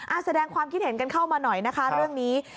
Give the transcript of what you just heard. แสดงความคิดเห็นกันเข้ามาหน่อยนะคะเรื่องนี้